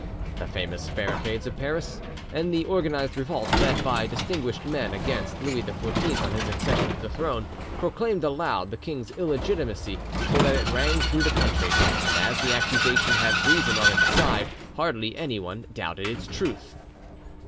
The famous barricades of Paris, and the organised revolt led by distinguished men against Louis XIV on his accession to the throne, proclaimed aloud the king's illegitimacy, so that it rang through the country; and as the accusation had reason on its side, hardly anyone doubted its truth."